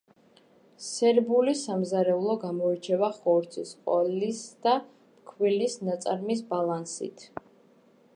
სერბული სამზარეულო გამოირჩევა ხორცის, ყველის და ფქვილის ნაწარმის ბალანსით.